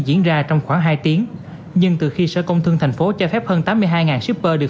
diễn ra trong khoảng hai tiếng nhưng từ khi sở công thương thành phố cho phép hơn tám mươi hai shipper được